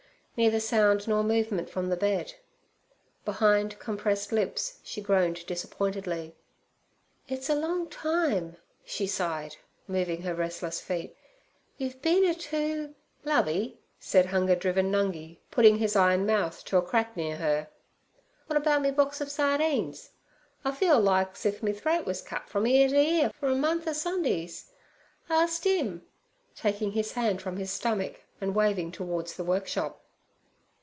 Neither sound nor movement from the bed. Behind compressed lips she groaned disappointedly. 'It's a long time' she sighed, moving her restless feet; 'you've been a too—' 'Lovey' said hunger driven Nungi, putting his eye and mouth to a crack near her, 'w'at about me box ov sardines? I feel like's if me throat was cut frum ear ter ear fer a month er Sundees! Arst 'im' taking his hand from his stomach and waving towards the workshop.